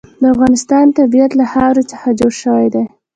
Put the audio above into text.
د افغانستان طبیعت له خاوره څخه جوړ شوی دی.